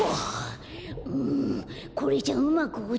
うんこれじゃうまくおどれないけど。